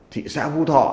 thị xã vũ thọ